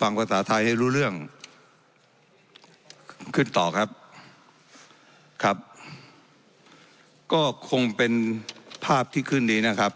ฟังภาษาไทยให้รู้เรื่องขึ้นต่อครับครับก็คงเป็นภาพที่ขึ้นนี้นะครับ